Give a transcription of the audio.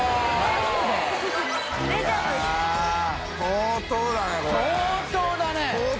相当だね。